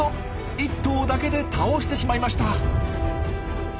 １頭だけで倒してしまいました。